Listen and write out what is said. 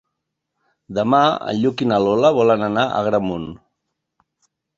Demà en Lluc i na Lola volen anar a Agramunt.